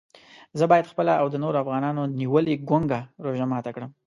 زه باید خپله او د نورو افغانانو نیولې ګونګه روژه ماته کړم.